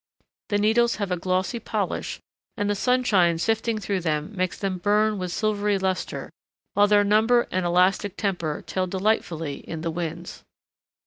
The needles have a glossy polish, and the sunshine sifting through them makes them burn with silvery luster, while their number and elastic temper tell delightfully in the winds.